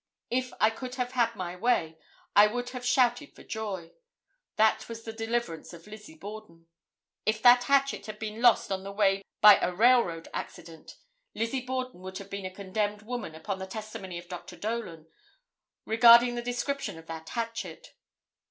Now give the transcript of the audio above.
If I could have had my way I would have shouted for joy. That was the deliverance of Lizzie Borden. If that hatchet had been lost on the way by a railroad accident, Lizzie Borden would have been a condemned woman upon the testimony of Dr. Dolan, regarding the description of that hatchet.